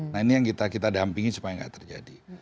nah ini yang kita dampingi supaya nggak terjadi